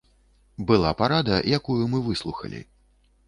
Была парада, якую мы выслухалі.